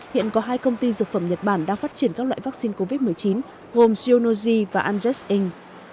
hiện có hai công ty dược phẩm nhật bản đang phát triển các loại vaccine covid một mươi chín gồm zionoji và andres inc